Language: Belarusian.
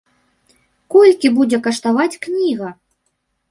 Колькі будзе каштаваць кніга?